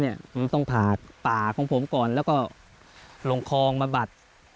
มันต้องผ่าป่าของผมก่อนแล้วก็ลงคลองมาบัด